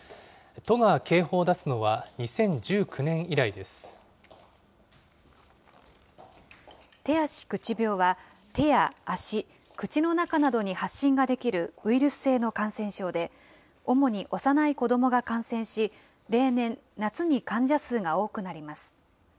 都が警報を出すのは２０１９年以手足口病は手や足、口の中などに発疹が出来るウイルス性の感染症で、主に幼い子どもが感染し、例年、夏に患者数が多くなります。